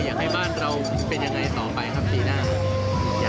อยากให้บ้านเราเป็นยังไงต่อไปครับปีหน้าครับ